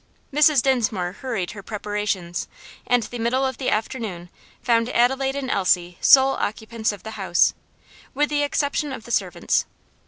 Mrs. Dinsmore hurried her preparations, and the middle of the afternoon found Adelaide and Elsie sole occupants of the house, with the exception of the servants.